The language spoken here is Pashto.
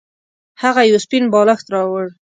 هغه یو سپین بالښت راوړ.